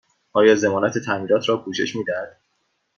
آیا ضمانت تعمیرات را پوشش می دهد؟